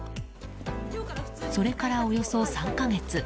それからおよそ３か月。